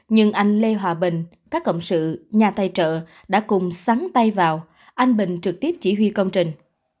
nhưng anh lê hòa bình các cộng sự nhà tài trợ đã cùng sắn tay vào anh bình trực tiếp chỉ huy công trình